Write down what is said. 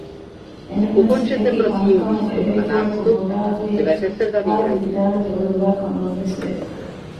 އެނޫނަސް އެކިކަންކަމު އެބޭފުޅަކު ބޮޑާބޭ ގާތު ވިދާޅުވެ އުޅުއްވާ ކަމަށް ވެސް ވެ